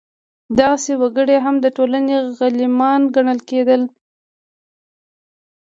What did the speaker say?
دغسې وګړي هم د ټولنې غلیمان ګڼل کېدل.